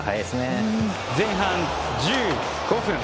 前半、１５分。